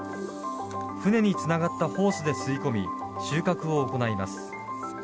船につながったホースで吸い込み収穫を行います。